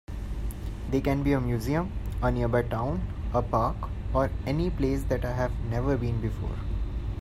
They can be a museum, a nearby town, a park, or any place that I have never been before.